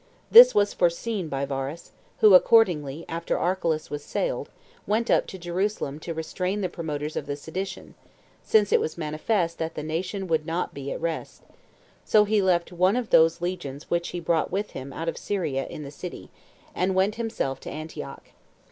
This was foreseen by Varus, who accordingly, after Archelaus was sailed, went up to Jerusalem to restrain the promoters of the sedition, since it was manifest that the nation would not be at rest; so he left one of those legions which he brought with him out of Syria in the city, and went himself to Antioch.